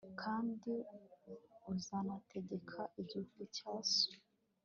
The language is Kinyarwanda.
kandi uzanategeke igihugu cya so